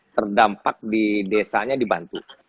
terdampak di desanya dibantu